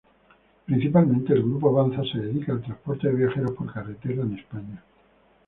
Principalmente, el Grupo Avanza se dedica al transporte de viajeros por carretera en España.